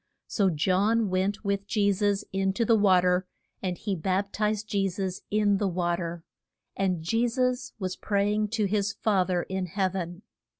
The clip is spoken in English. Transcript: So John went with Je sus in to the wa ter, and he bap tized Je sus in the wa ter. And Je sus was pray ing to his Fa ther in heav en.